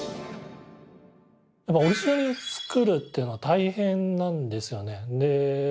やっぱオリジナルをつくるというのは大変なんですよね。